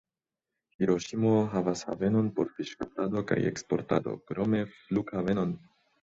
Hiroŝimo havas havenon por fiŝkaptado kaj eksportado, krome flughavenon.